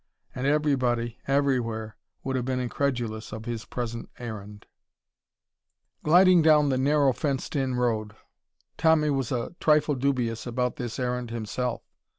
And everybody, everywhere, would have been incredulous of his present errand. Gliding down the narrow, fenced in road. Tommy was a trifle dubious about this errand himself.